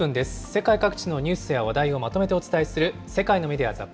世界各地のニュースや話題をまとめてお伝えする、世界のメディア